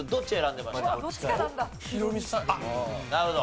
なるほど。